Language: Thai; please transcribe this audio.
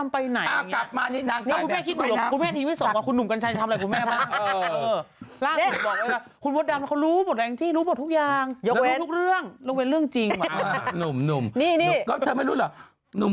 ไม่คุณแม่ตอนนี้เราไม่ได้ทำงานเพื่อคุณแม่นะ